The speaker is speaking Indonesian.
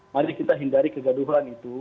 mari kita hindari kegaduhan itu